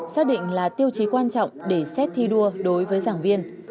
xác định là tiêu chí quan trọng để xét thi đua đối với giảng viên